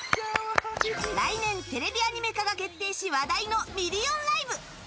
来年テレビアニメ化が決定し話題の「ミリオンライブ！」。